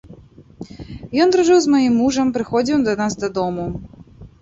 Ён дружыў з маім мужам, прыходзіў да нас дадому.